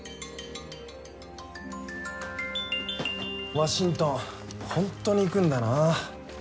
ワシントンホントに行くんだな。